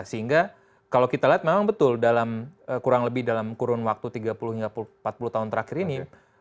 sehingga kalau kita lihat memang betul dalam kurang lebih dalam kurun waktu tiga puluh hingga empat puluh tahun terakhir ini